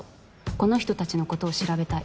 この人たちのことを調べたい。